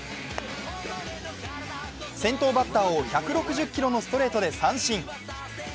先頭バッターを１６０キロのストレートで三振。